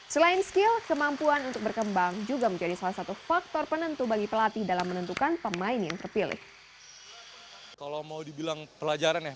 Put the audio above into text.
selain skill kemampuan untuk berkembang juga menjadi salah satu faktor penentu bagi pelatih dalam menentukan pemain yang terpilih